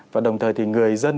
và đồng thời thì người dân